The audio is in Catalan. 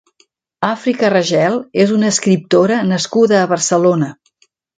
Àfrica Ragel és una escriptora nascuda a Barcelona.